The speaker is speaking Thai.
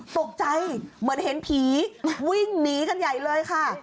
ตกใจเหมือนเห็นผีวิ่งหนีกันใหญ่เลยค่ะ